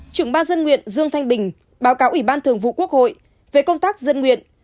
trưởng ban dân nguyện dương thanh bình báo cáo ủy ban thường vụ quốc hội về công tác dân nguyện